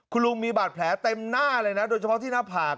คุณลุงมีบาดแผลเต็มหน้าเลยนะโดยเฉพาะที่หน้าผาก